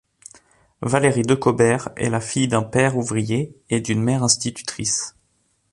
Valérie Decobert est la fille d'un père ouvrier et d'une mère institutrice.